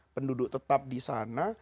penduduk tetap di sana